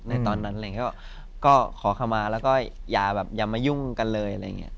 ในตอนนั้นอะไรอย่างนี้ก็ขอเข้ามาแล้วก็อย่าแบบอย่ามายุ่งกันเลยอะไรอย่างนี้